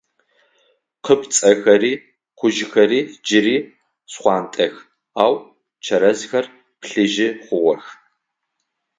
Къыпцӏэхэри къужъхэри джыри шхъуантӏэх, ау чэрэзхэр плъыжьы хъугъэх.